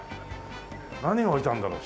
何が置いてあるんだろう？